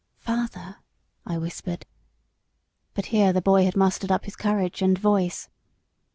"Father!" I whispered. But here the boy had mustered up his courage and voice.